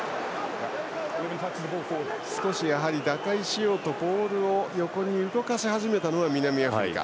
少し打開しようとボールを横に動かし始めたのが南アフリカ。